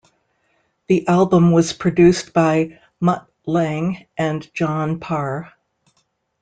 The album was produced by Mutt Lange and John Parr.